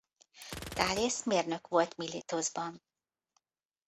Thalész mérnök volt Milétoszban.